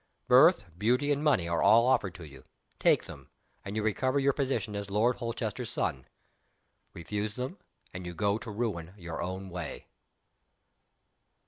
Birth, beauty, and money are all offered to you. Take them and you recover your position as Lord Holchester's son. Refuse them and you go to ruin your own way."